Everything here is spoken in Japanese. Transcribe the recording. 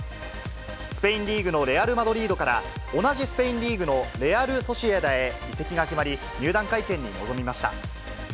スペインリーグのレアル・マドリードから、同じスペインリーグのレアル・ソシエダへ移籍が決まり、入団会見に臨みました。